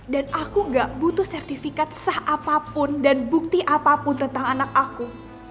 dan aku gak butuh sertifikat sah apapun dan bukti apapun tentang anak aku